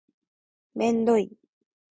めんどい